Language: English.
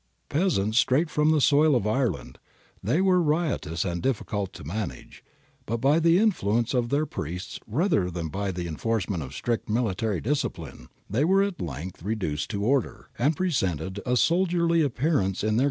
Peasants straight from the soil of Ireland, they were riotous and difficult to manage, but by the influence of their priests rather than by the enforcement of strict military discipline, they were at length reduced to order, and presented a soldierly appearance in their green uni forms.